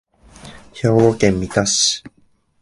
兵庫県三田市